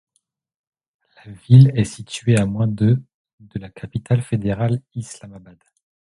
La ville est située à moins de de la capitale fédéral Islamabad.